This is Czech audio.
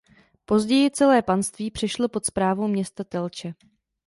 Později celé panství přešlo pod správu města Telče.